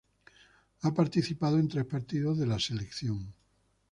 Ha participado en tres partidos de la selección.